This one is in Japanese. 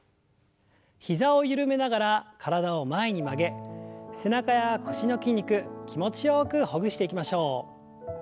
膝を緩めながら体を前に曲げ背中や腰の筋肉気持ちよくほぐしていきましょう。